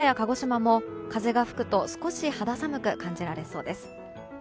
福岡や鹿児島も風が吹くと少し肌寒く感じそうです。